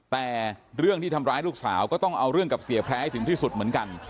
แต่เรื่องที่ทำร้ายลูกสาวก็ต้องเอาเรื่องกับเสียแพร่ให้ถึงที่สุดเหมือนกัน